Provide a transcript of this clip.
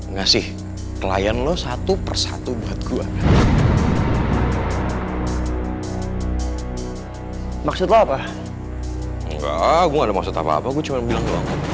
ngasih klien lo satu persatu buat gua maksud lo apa enggak gua ada maksud apa apa gue cuma bilang